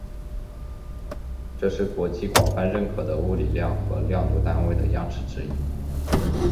这是国际广泛认可的物理量和量度单位的样式指引。